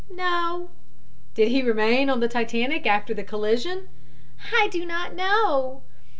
"No." "Did he remain on the Titanic after the collision?" "I do not know."